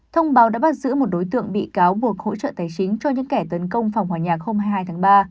thông báo đã bắt giữ một đối tượng bị cáo buộc hỗ trợ tài chính cho những kẻ tấn công phòng hòa nhạc hôm hai mươi hai tháng ba